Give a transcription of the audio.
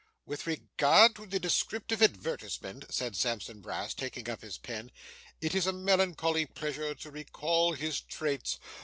'With regard to the descriptive advertisement,' said Sampson Brass, taking up his pen. 'It is a melancholy pleasure to recall his traits.